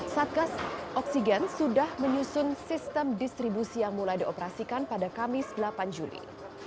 satgas oksigen sudah menyusun sistem distribusi yang mulai dioperasikan pada kamis delapan juli